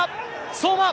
相馬。